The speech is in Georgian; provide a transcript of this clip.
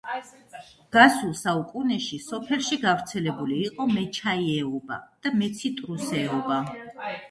გასულ საუკუნეში სოფელში გავრცელებული იყო მეჩაიეობა და მეციტრუსეობა.